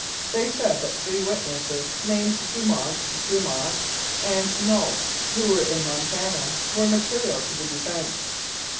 They said that three witnesses named Dumont, Dumas and Nault, who were in Montana, were material to the defence.